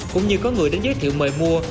cũng như có người đến giới thiệu mời mua